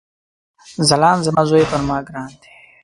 ځلاند زما ځوي پر ما ګران دی